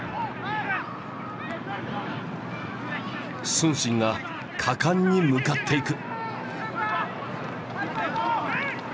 承信が果敢に向かっていく。